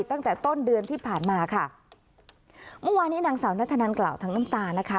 ตั้งแต่ต้นเดือนที่ผ่านมาค่ะเมื่อวานนี้นางสาวนัทธนันกล่าวทั้งน้ำตานะคะ